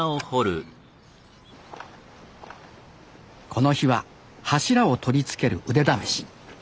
この日は柱を取り付ける腕試し。